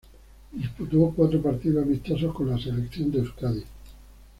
Disputó cuatro partidos amistosos con la Selección de Euskadi.